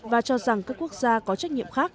và cho rằng các quốc gia có trách nhiệm khác